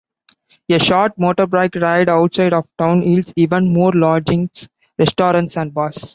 A short motorbike ride outside of town yields even more lodgings, restaurants and bars.